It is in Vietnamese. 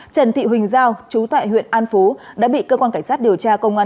trần thị huỳnh giao chú tại huyện an phú đã bị cơ quan cảnh sát điều tra công an